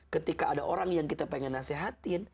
ketika ada orang yang kita ingin menasehati